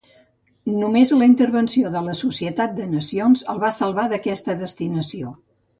Només la intervenció de la Societat de Nacions el va salvar d'aquesta destinació.